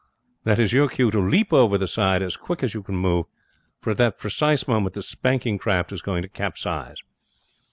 That is your cue to leap over the side as quick as you can move, for at that precise moment this spanking craft is going to capsize.'